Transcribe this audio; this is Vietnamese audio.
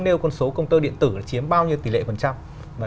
nêu con số công tơ điện tử là chiếm bao nhiêu tỷ lệ